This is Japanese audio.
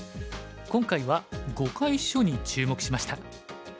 今回は碁会所に注目しました。